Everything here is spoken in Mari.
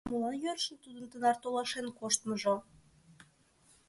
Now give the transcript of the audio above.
Молан йӧрыш тудын тынар толашен коштмыжо?